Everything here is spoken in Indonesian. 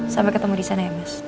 sampai ketemu disana ya mas